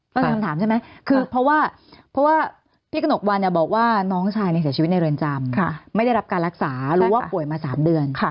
ตั้งคำถามใช่ไหมคือเพราะว่าพี่กระหนกวันบอกว่าน้องชายเสียชีวิตในเรือนจำไม่ได้รับการรักษารู้ว่าป่วยมา๓เดือน